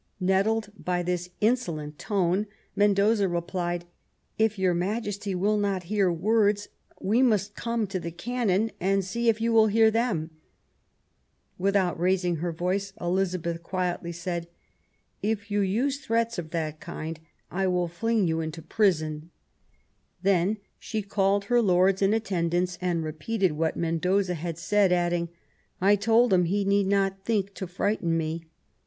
Nettled by this insolent tone, Mendoza replied :" If your Majesty will not hear words, we must come to the cannon and see if you will hear them !" With out raising her voice, Elizabeth quietly said :If you use threats of that kind I will fling you into prison ". Then she called her lords in attendance and repeated 2o8 QUEEN ELIZABETH. what Mendoza had said, adding " I told him he need not think to frighten me